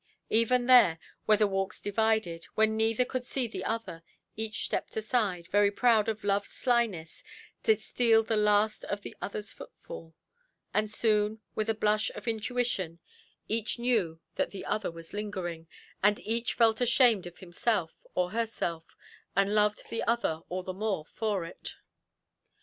Even there, where the walks divided, when neither could see the other, each stepped aside, very proud of loveʼs slyness, to steal the last of the otherʼs footfall; and soon, with a blush of intuition, each knew that the other was lingering, and each felt ashamed of himself or herself, and loved the other all the more for it.